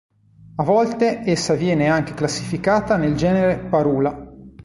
A volte essa viene anche classificata nel genere "Parula".